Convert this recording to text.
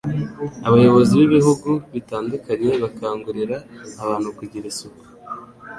abayobozi b'ibihugu bitandukanye bakangurira abantu kugira isuku